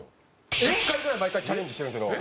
１０回ぐらい毎回チャレンジしてるんですけど。